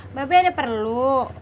mbak be ada perlu